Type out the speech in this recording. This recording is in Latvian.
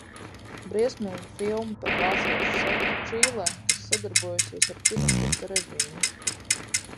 Briesmīga filma par vāciešu sektu Čīlē, kas sadarbojusies ar Pinočeta režīmu.